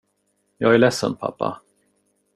Jag är ledsen, pappa.